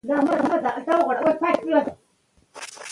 سردار به کندهار ته رسېدلی وي.